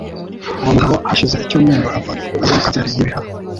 Uwo mugabo hashize icyumweru apfa azize kanseri y'ibihaha.